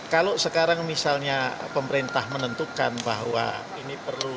kalau sekarang misalnya pemerintah menentukan bahwa ini perlu